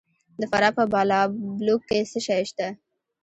د فراه په بالابلوک کې څه شی شته؟